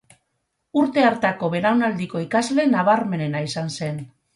Urte hartako belaunaldiko ikasle nabarmenena izan zen.